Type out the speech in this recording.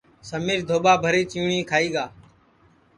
سمِیر دھوٻا بھری چیٹی کھائی گا